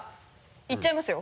いっちゃいますよ。